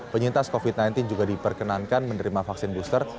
penyintas covid sembilan belas juga diperkenankan menerima vaksin booster